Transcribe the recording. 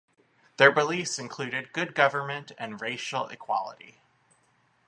Their beliefs included "good government" and racial equality.